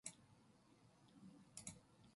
아, 네.